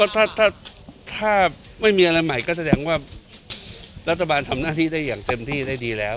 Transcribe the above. ถ้าไม่มีอะไรใหม่ก็แสดงว่ารัฐบาลทำหน้าที่ได้อย่างเต็มที่ได้ดีแล้ว